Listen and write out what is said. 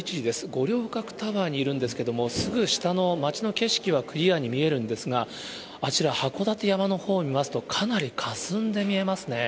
五稜郭タワーにいるんですけれども、すぐ下の街の景色はクリアに見えるんですが、あちら、函館山のほう見ますと、かなり霞んで見えますね。